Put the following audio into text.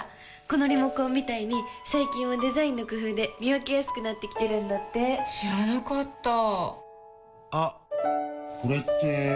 このリモコンみたいに最近はデザインの工夫で見分けやすくなってきてるんだって知らなかったあっ、これって・・・